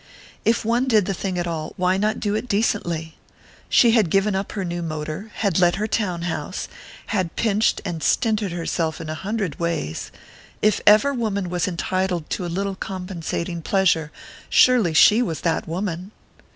If one did the thing at all, why not do it decently? She had given up her new motor, had let her town house, had pinched and stinted herself in a hundred ways if ever woman was entitled to a little compensating pleasure, surely she was that woman!